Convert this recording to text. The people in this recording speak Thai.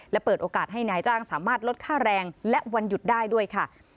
และเปิดโอกาสให้นายจ้างสามารถลดค่าแรงและวันหยุดได้ด้วยค่ะ